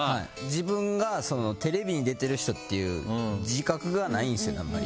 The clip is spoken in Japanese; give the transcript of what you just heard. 自分がテレビ出てる人っていう自覚がないんですよね。